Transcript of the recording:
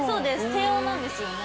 低温なんですよね。